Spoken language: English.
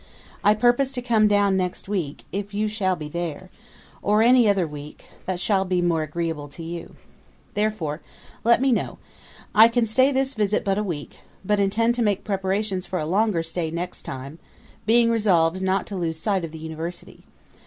I purpose to come down next week, if you shall be there; or any other week, that shall be more agreeable to you. Therefore let me know. I can stay this visit but a week, but intend to make preparations for a longer stay next time; being resolved not to lose sight of the University.